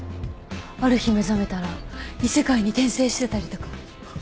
ある日目覚めたら異世界に転生してたりとか。